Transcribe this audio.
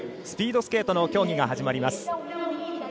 スピードスケートの競技が始まります。